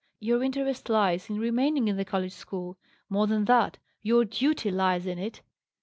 Your interest lies in remaining in the college school; more than that, your duty lies in it.